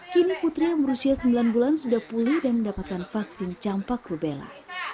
kini putri yang berusia sembilan bulan sudah pulih dan mendapatkan vaksin campak rubella